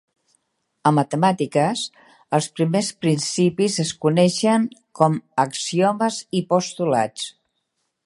A matemàtiques, els primers principis es coneixen com axiomes i postulats.